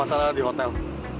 masalah di hotel